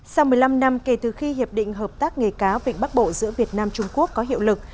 sau một mươi năm năm kể từ khi hiệp định hợp tác nghề cáo vịnh bắc bộ giữa việt nam trung quốc có hiệu lực